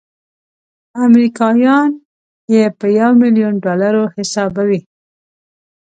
امریکایان یې په یو میلیون ډالرو حسابوي.